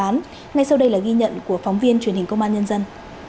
ngay sau đây là ghi nhận của phóng viên truyền hình công an nhân dân